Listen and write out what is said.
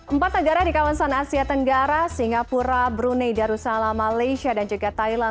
empat negara di kawasan asia tenggara singapura brunei darussalam malaysia dan juga thailand